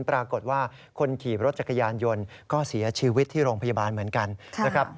ปรากฏว่าคนขี่รถจักรยานยนต์ก็เสียชีวิตที่โรงพยาบาลเหมือนกันนะครับ